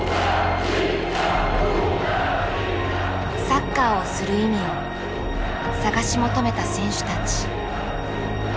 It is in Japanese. サッカーをする意味を探し求めた選手たち。